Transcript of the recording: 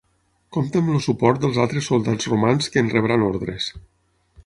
Compta amb el suport dels altres soldats romans que en rebran ordres.